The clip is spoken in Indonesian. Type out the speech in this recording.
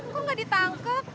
kok gak ditangkep